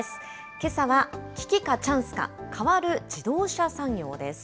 けさは、危機かチャンスか、変わる自動車産業です。